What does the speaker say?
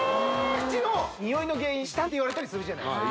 口のニオイの原因舌っていわれたりするじゃないですか